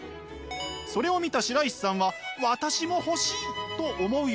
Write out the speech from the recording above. それを見た白石さんは私も欲しいと思うようになります。